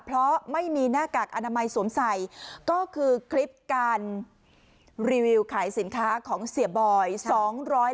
เพราะไม่มีหน้ากากอนามัยสวมใส่ก็คือคลิปการรีวิวขายสินค้าของเสียบอย